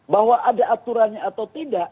bahwa ada aturannya atau tidak